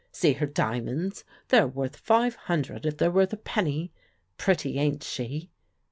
See her diamonds? They're worth five hundred if they're worth a penny. Pretty, ain't she?"